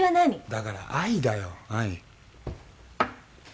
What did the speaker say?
だから愛だよ愛。